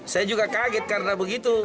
saya juga kaget karena begitu